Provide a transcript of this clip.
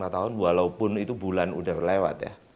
lima tahun walaupun itu bulan udah lewat ya